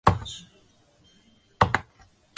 田中美保出生于目前的西东京市。